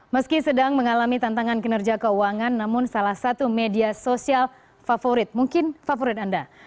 meski sedang mengalami tantangan kinerja keuangan namun salah satu media sosial favorit mungkin favorit anda